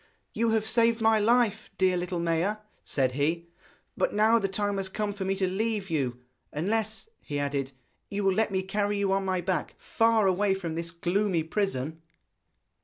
'You have saved my life, dear little Maia,' said he; 'but now the time has come for me to leave you unless,' he added, 'you will let me carry you on my back far away from this gloomy prison.'